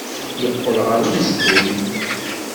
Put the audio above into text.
Yeqqel ɣer umezgun.